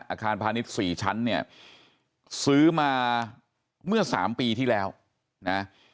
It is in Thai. อาคารพาณิชย์๔ชั้นเนี่ยซื้อมาเมื่อ๓ปีที่แล้วนะ